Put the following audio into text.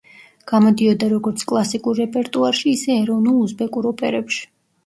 გამოდიოდა როგორც კლასიკურ რეპერტუარში, ისე ეროვნულ უზბეკურ ოპერებში.